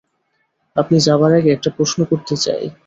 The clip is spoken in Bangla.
আপনি যাবার আগে একটা প্রশ্ন করতে চাই।